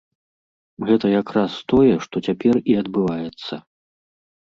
Гэта як раз тое, што цяпер і адбываецца.